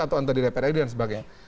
atau di repedagian dan sebagainya